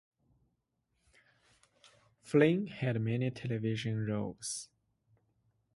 Flynn had many television roles.